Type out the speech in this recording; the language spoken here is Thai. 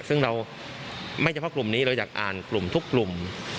ซึ่งเราไม่เฉพาะกลุ่มนี้เราอยากอ่านกลุ่มทุกกลุ่ม